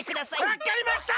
わかりました！